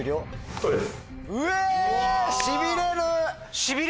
そうです。